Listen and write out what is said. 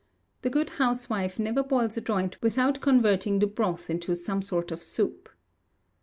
The good housewife never boils a joint without converting the broth into some sort of soup.